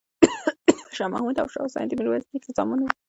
شاه محمود او شاه حسین د میرویس نیکه زامن وو.